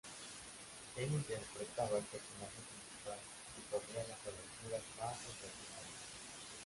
Él interpretaba al personaje principal, que corría las aventuras más sensacionales.